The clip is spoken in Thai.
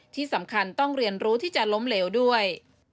ที่สำคัญต้องเรียนรู้ที่จะล้มเหลวด้วย